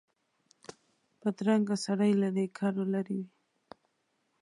بدرنګه سړی له نېکانو لرې وي